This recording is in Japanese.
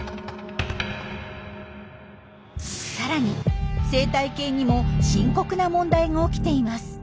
さらに生態系にも深刻な問題が起きています。